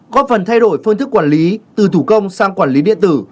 có phần thay đổi phương thức quản lý từ thủ công sang quản lý điện tử